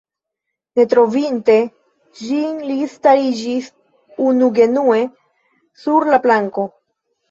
Ne trovinte ĝin, li stariĝis unugenue sur la planko.